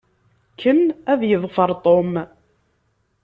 Ken ad yeḍfer Tom.